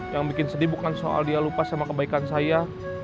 yang bikin sedih bukan soal dia lupa sama kebaikan saya